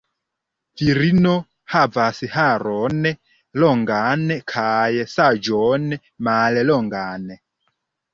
Virino havas haron longan kaj saĝon mallongan.